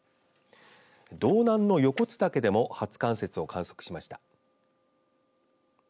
道南の横津岳でも初冠雪を観測しました。